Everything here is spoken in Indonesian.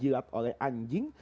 jilat oleh anjing